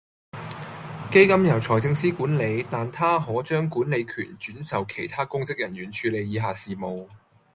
基金由財政司管理，但他可將管理權轉授其他公職人員處理以下事務